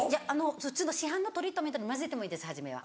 普通の市販のトリートメントに混ぜてもいいです初めは。